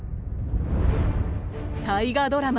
大河ドラマ